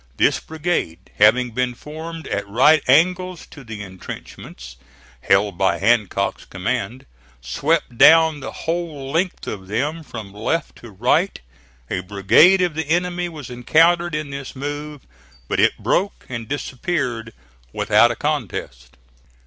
This brigade having been formed at right angles to the intrenchments held by Hancock's command, swept down the whole length of them from left to right. A brigade of the enemy was encountered in this move; but it broke and disappeared without a contest.